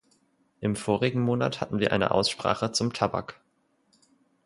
Im vorigen Monat hatten wir eine Aussprache zum Tabak.